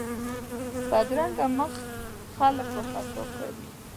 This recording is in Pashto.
بدرنګه مخ خلک وارخطا کوي